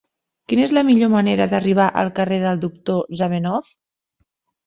Quina és la millor manera d'arribar al carrer del Doctor Zamenhof?